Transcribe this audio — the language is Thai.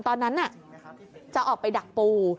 ตอนนั้นจะออกไปดักปู